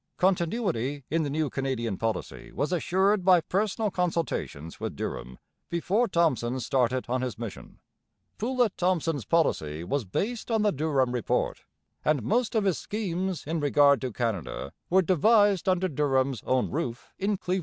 Continuity in the new Canadian policy was assured by personal consultations with Durham before Thomson started on his mission. 'Poulett Thomson's policy was based on the Durham Report, and most of his schemes in regard to Canada were devised under Durham's own roof in Cleveland Row.'